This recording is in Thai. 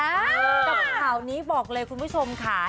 กับข่าวนี้บอกเลยคุณผู้ชมค่ะ